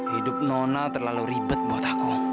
hidup nona terlalu ribet buat aku